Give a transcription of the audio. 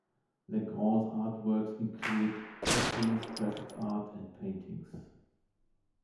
Legrand's artworks include etchings, graphic art and paintings.